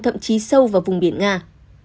thậm chí sâu vào vùng biển nga